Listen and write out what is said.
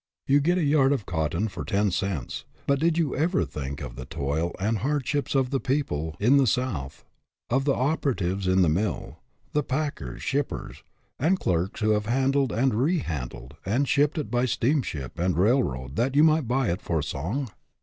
You get a yard of cotton cloth for ten cents ; but did you ever think of the toil and the hard ships of the poor people in the South, of the operatives in the mill, the packers, shippers, and clerks who have handled and rehandled, and shipped it by steamship and railroad that you might buy it for a song?